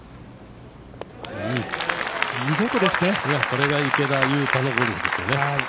これが池田勇太のゴルフですよね。